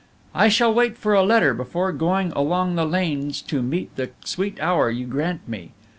"I shall wait for a letter before going along the lanes to meet the sweet hour you grant me.